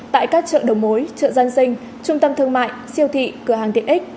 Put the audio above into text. tại các chợ đầu mối chợ dân sinh trung tâm thương mại siêu thị cửa hàng tiện ích